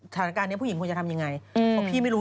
อยากให้เจ้าหน้าที่